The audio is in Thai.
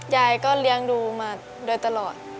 ยายก็เลี้ยงดูมาโดยตลอด